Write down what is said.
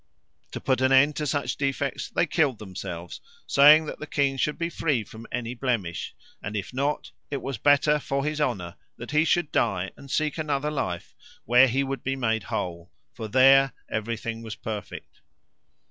To put an end to such defects they killed themselves, saying that the king should be free from any blemish, and if not, it was better for his honour that he should die and seek another life where he would be made whole, for there everything was perfect.